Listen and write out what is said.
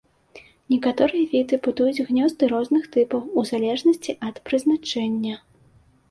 Некаторыя віды будуюць гнёзды розных тыпаў у залежнасці ад прызначэння.